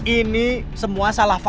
ini semua salah faham